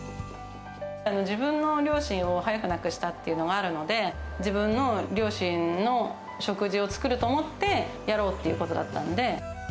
自分の両親を早く亡くしたっていうのがあるので、自分の両親の食事を作ると思ってやろうっていうことだったんで。